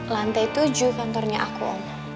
lantai tujuh kantornya aku